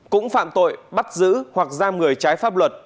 cũng phạm tội bắt giữ hoặc giam người trái pháp luật